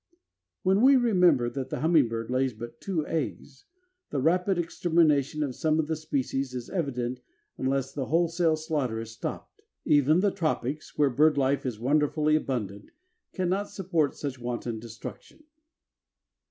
When we remember that the hummingbird lays but two eggs, the rapid extermination of some of the species is evident unless this wholesale slaughter is stopped. Even the tropics, where bird life is wonderfully abundant, cannot support such wanton destruction.